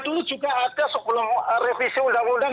dulu juga ada sebelum revisi undang undang